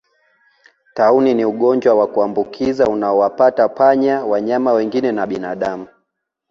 Tauni ni ugonjwa wa kuambukiza unaowapata panya wanyama wengine na binadamu